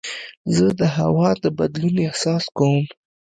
زه د هوا د بدلون احساس کوم.